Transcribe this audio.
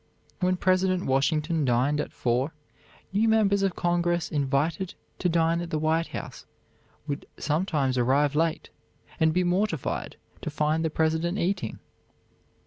When President Washington dined at four, new members of Congress invited to dine at the White House would sometimes arrive late, and be mortified to find the President eating.